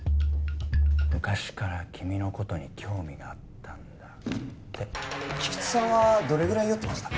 「昔から君のことに興味があったんだ」って菊池さんはどれぐらい酔ってました？